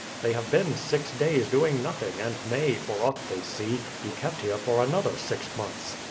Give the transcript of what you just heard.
They have been six days doing nothing, and may, for aught they see, be kept here for another six months.